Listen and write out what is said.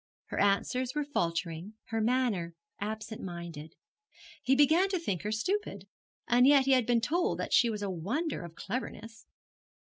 Her answers were faltering, her manner absent minded. He began to think her stupid; and yet he had been told that she was a wonder of cleverness.